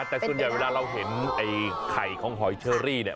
แต่ส่วนใหญ่เวลาเราเห็นไอ้ไข่ของหอยเชอรี่เนี่ย